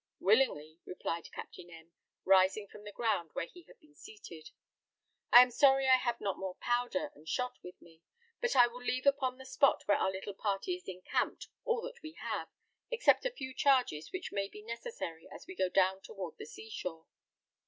"Willingly," replied Captain M , rising from the ground where he had been seated. "I am sorry I have not more powder and shot with me; but I will leave upon the spot where our little party is encamped all that we have, except a few charges, which may be necessary as we go down towards the sea shore.